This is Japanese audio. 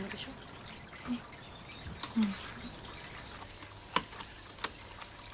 うん。